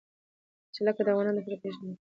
جلګه د افغانانو د فرهنګي پیژندنې برخه ده.